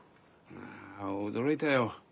あ驚いたよ